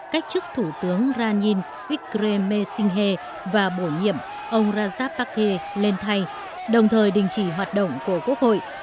cách chức thủ tướng ranin ikremesinghe và bổ nhiệm ông rajapakse lên thay đồng thời đình chỉ hoạt động của quốc hội